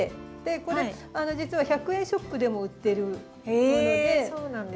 これ実は１００円ショップでも売ってるもので。